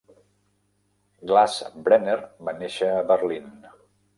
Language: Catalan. Glassbrenner va néixer a Berlín.